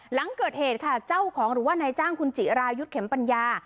หลังเกิดเหตุค่ะเจ้าของหรือว่านายจ้างคุณจิรายุทธ์เข็มปัญญา